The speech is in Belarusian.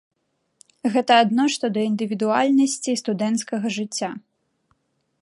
Гэта адно што да індывідуальнасці студэнцкага жыцця.